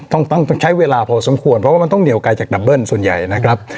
ต้องต้องใช้เวลาพอสมควรเพราะว่ามันต้องเหนียวไกลจากดับเบิ้ลส่วนใหญ่นะครับ